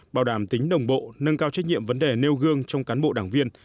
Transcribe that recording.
bảo đảm tính đồng bộ nâng cao trách nhiệm vấn đề nêu gương trong cán bộ đảng viên